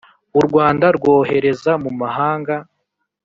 u rwanda rwohereza mu mahanga